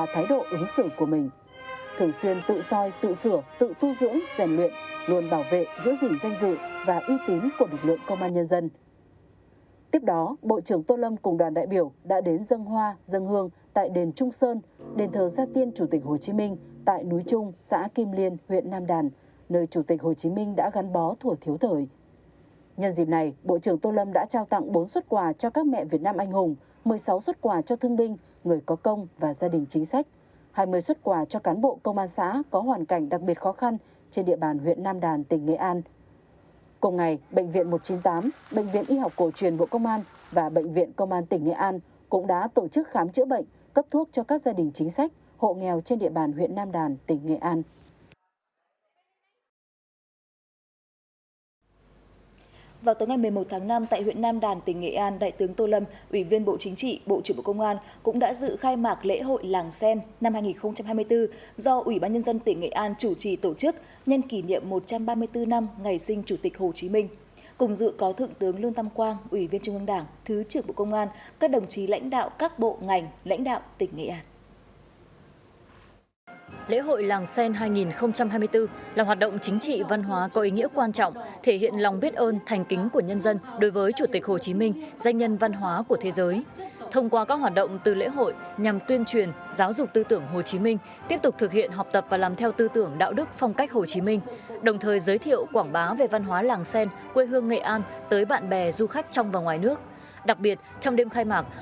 một mươi một tháng năm tại huyện nam đàn tỉnh nghệ an đại tướng tô lâm ủy viên bộ chính trị bộ trưởng bộ chính trị bộ trưởng bộ chính trị bộ trưởng bộ chính trị bộ trưởng bộ chính trị bộ trưởng bộ chính trị bộ trưởng bộ chính trị bộ trưởng bộ chính trị bộ trưởng bộ chính trị bộ trưởng bộ chính trị bộ trưởng bộ chính trị bộ trưởng bộ chính trị bộ trưởng bộ chính trị bộ trưởng bộ chính trị bộ trưởng bộ chính trị bộ trưởng bộ chính trị bộ trưởng bộ chính trị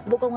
bộ trưởng